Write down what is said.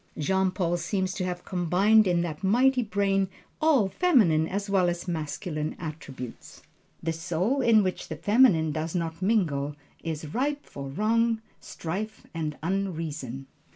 Jean Paul seems to have combined in that mighty brain all feminine as well as masculine attributes. The soul in which the feminine does not mingle is ripe for wrong, strife and unreason.